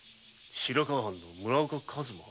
「白川藩の村岡和馬」